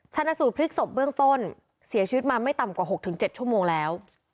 ชนะสูตรพลิกศพเบื้องต้นเสียชีวิตมาไม่ต่ำกว่า๖๗ชั่วโมงแล้ว